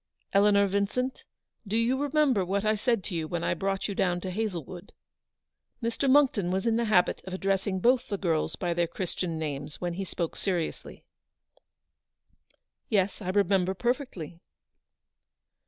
Eleanor Vincent, do you remember what I said to you when I brought you down to Hazlewood ?" Mr. Monckton was [in the habit of addressing both the girls by their Christian names when he spoke seriously. 309 u Yes, I remember perfectly."